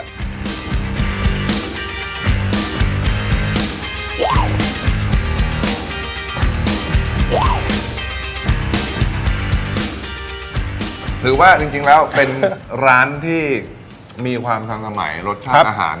ถือว่าจริงแล้วเป็นร้านที่มีความทันสมัยรสชาติอาหาร